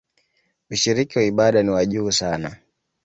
Ushiriki wa ibada ni wa juu sana.